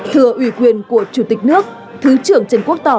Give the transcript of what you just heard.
thừa ủy quyền của chủ tịch nước thứ trưởng trần quốc tỏ